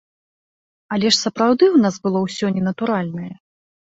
Але ж сапраўды ў нас было ўсё ненатуральнае.